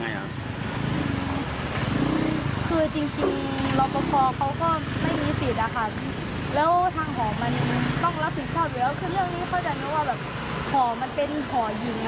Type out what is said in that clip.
ห่อมันเป็นห่อหิง